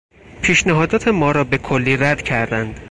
پیشنهادات ما را به کلی رد کردند.